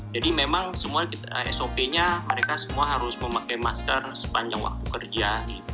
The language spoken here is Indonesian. jadi memang sop nya mereka semua harus memakai masker sepanjang waktu kerja